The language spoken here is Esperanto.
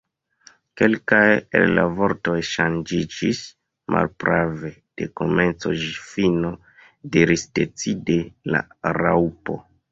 "Kelkaj el la vortoj ŝanĝiĝis." "Malprave, de komenco ĝis fino," diris decide la Raŭpo.